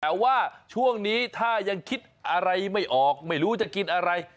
แต่ว่าช่วงนี้ถ้ายังคิดอะไรไม่ออกไม่รู้จะกินอะไร